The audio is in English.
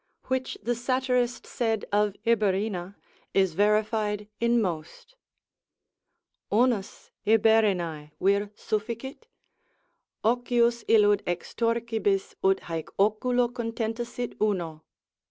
which the satirist said of Iberina, is verified in most, Unus Iberinae vir sufficit? ocyus illud Extorquebis ut haec oculo contenta sit uno.